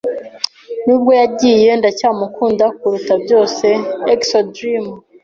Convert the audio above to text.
Nubwo yagiye, ndacyamukunda kuruta byose. (exodream)